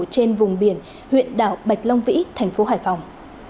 trên vùng biển huyện đảo bạch long vĩ thành phố hải phòng